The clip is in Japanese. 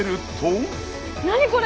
何これ？